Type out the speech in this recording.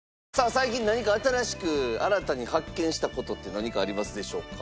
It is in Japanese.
最近何か新しく新たに発見した事って何かありますでしょうか？